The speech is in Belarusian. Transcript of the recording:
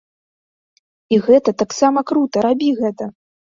І гэта таксама крута, рабі гэта!